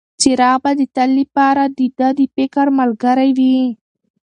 څراغ به د تل لپاره د ده د فکر ملګری وي.